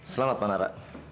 selamat pak nara